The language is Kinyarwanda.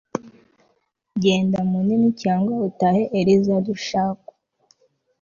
genda munini cyangwa utahe. - eliza dushku